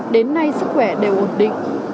đến nay sức khỏe đều ổn định